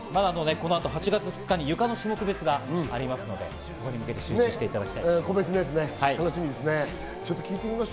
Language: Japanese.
この後、８月２日にゆかの種目別がありますので、それに向けて集中していただきたいと思います。